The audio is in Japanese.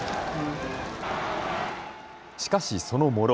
しかしその茂呂。